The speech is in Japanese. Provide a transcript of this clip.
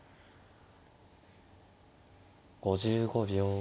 ５５秒。